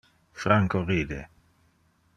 Franco ride.